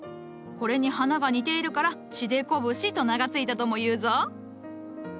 これに花が似ているからシデコブシと名が付いたともいうぞ。